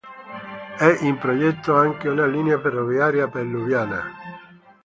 È in progetto anche una linea ferroviaria per Lubiana.